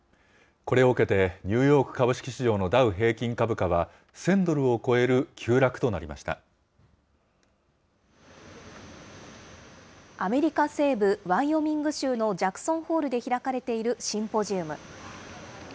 これを受けて、ニューヨーク株式市場のダウ平均株価は、１０００ドルを超える急アメリカ西部、ワイオミング州のジャクソンホールで開かれているシンポジウム。